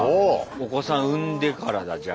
お子さん産んでからだじゃあ。